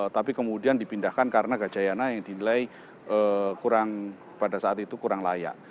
tapi kemudian dipindahkan karena gajayana yang dinilai kurang pada saat itu kurang layak